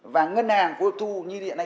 và ngân hàng của thu như hiện nay